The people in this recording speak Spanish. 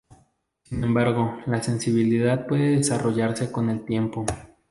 Sin embargo, la sensibilidad puede desarrollarse con el tiempo.